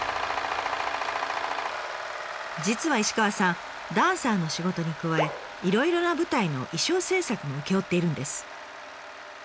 実は石川さんダンサーの仕事に加えいろいろな舞台の衣装制作も請け負っているんです。